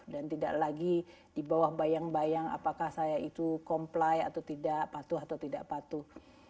dan tidak lagi di bawah bayang bayang apakah saya itu comply atau tidak patuh atau tidak patuh